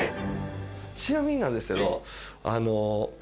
ちなみになんですけど。